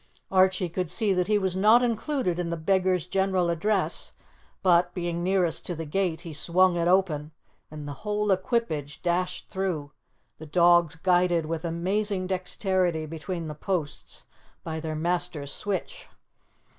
Archie could see that he was not included in the beggar's general address, but, being nearest to the gate, he swung it open and the whole equipage dashed through, the dogs guided with amazing dexterity between the posts by their master's switch.